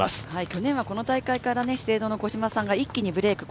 去年はこの大会から資生堂の五島さんが一気にブレイク。